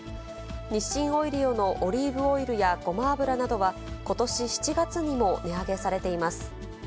日清オイリオのオリーブオイルやごま油などは、ことし７月にも値